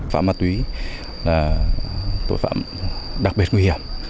phạm ma túy là tội phạm đặc biệt nguy hiểm